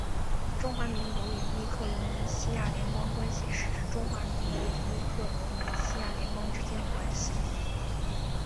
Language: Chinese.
中华民国与密克罗尼西亚联邦关系是指中华民国与密克罗尼西亚联邦之间的关系。